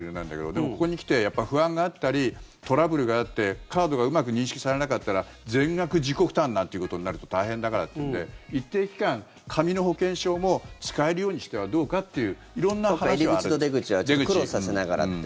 みんなマイナンバーカードでっていうことになるかもしれないんだけどでも、ここに来て不安があったりトラブルがあってカードがうまく認識されなかったら全額自己負担なんていうことになると大変だからっていうんで一定期間、紙の保険証も使えるようにしてはどうかという入り口と出口はクロスさせながらって。